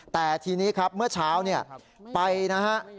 แต่ทีนี้ครับเมื่อเช้าเนี่ยไปนะฮะ